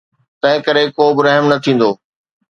تنهن ڪري ڪو به رحم نه ٿيندو.